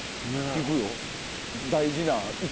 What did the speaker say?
聞くよ。